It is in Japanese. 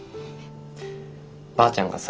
ばあちゃんがさ